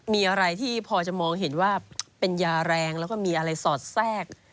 มีอะไรที่พอจะมองเห็นว่าเป็นยาแรงแล้วก็มีอะไรสอดแทรก